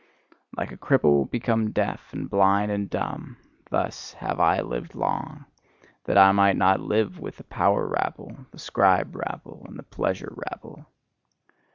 Like a cripple become deaf, and blind, and dumb thus have I lived long; that I might not live with the power rabble, the scribe rabble, and the pleasure rabble.